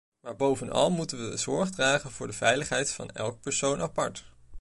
Maar bovenal moeten wij zorg dragen voor de veiligheid van elke persoon apart.